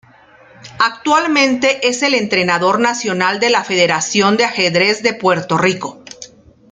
Actualmente es el entrenador nacional de la Federación de Ajedrez de Puerto Rico.